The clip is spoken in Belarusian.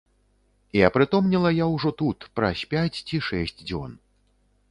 І апрытомнела я ўжо тут, праз пяць ці шэсць дзён.